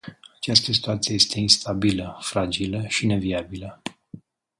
Această situație este instabilă, fragilă și neviabilă.